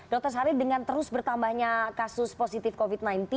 dr sari dengan terus bertambahnya kasus positif covid sembilan belas